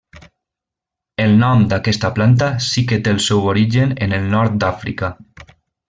El nom d'aquesta planta sí que té el seu origen en el nord d'Àfrica.